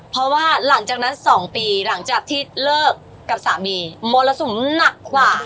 เพราะว่าหลังจากนั้น๒ปีหลังจากที่เลิกกับสามีมรสุมหนักกว่า